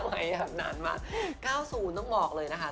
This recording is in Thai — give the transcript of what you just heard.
สมัยตอนนั้นมาก๙๐ต้องบอกเลยนะคะ